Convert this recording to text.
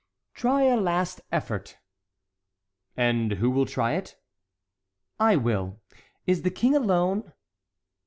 "Try a last effort." "And who will try it?" "I will! Is the King alone?"